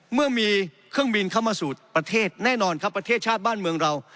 เมื่อมีเครื่องบินเข้ามาสู่ประเทศแน่นอนครับประเทศชาติบ้านเมืองเรา